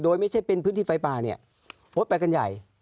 โดยไม่ใช่เป็นพื้นที่ไฟป่าเนี่ยโพสต์ไปกันใหญ่